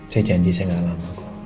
saya janji saya nggak lama